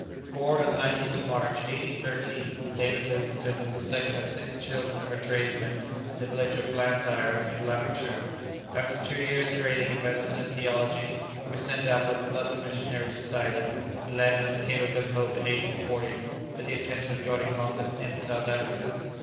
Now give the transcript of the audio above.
Born on the 19th of March, 1813, David Livingstone was the second of six children of a tradesman in the village of Blantyre, in Lanarkshire. After two years' training in medicine and theology, he was sent out by the London Missionary Society, and landed at the Cape of Good Hope in 1840, with the intention of joining Moffat in South Africa.